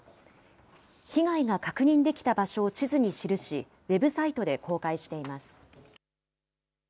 被害が確認できた場所を地図に記し、ウェブサイトで公開しています。